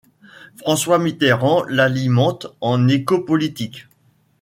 François Mitterrand l'alimente en échos politiques.